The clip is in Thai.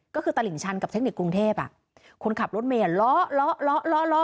ก็คือตลิ่นชันกับเทคนิคกรุงเทพอ่ะคนขับรถเมสล้อล้อล้อล้อล้อ